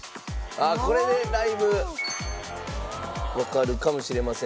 「あっこれでだいぶわかるかもしれませんが」